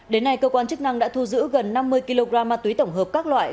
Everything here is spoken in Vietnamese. đến nay cơ quan chức năng đã thu giữ gần năm mươi kg ma túy tổng hợp các loại